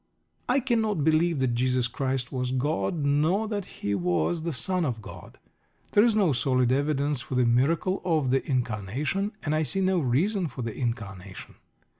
I cannot believe that Jesus Christ was God, nor that He was the Son of God. There is no solid evidence for the miracle of the Incarnation, and I see no reason for the Incarnation.